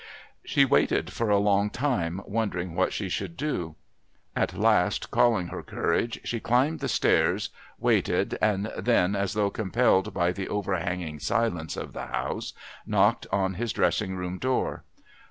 She waited for a long time wondering what she should do. At last, calling her courage, she climbed the stairs, waited, and then, as though compelled by the overhanging silence of the house, knocked on his dressing room door.